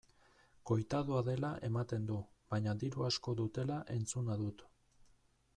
Koitadua dela ematen du baina diru asko dutela entzuna dut.